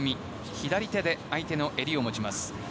左手で相手の襟を持ちます。